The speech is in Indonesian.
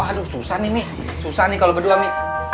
oh mi aduh susah nih susah nih kalau berdua mi